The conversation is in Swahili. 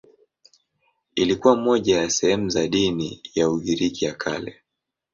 Ilikuwa moja ya sehemu za dini ya Ugiriki ya Kale.